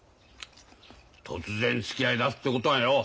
突然つきあいだすってことがよ。